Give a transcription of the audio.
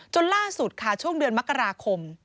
ล่าสุดค่ะช่วงเดือนมกราคม